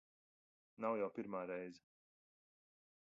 Nav jau pirmā reize.